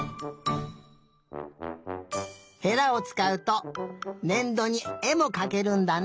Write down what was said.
へらをつかうとねんどにえもかけるんだね。